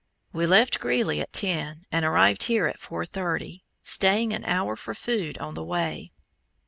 We left Greeley at 10, and arrived here at 4:30, staying an hour for food on the way.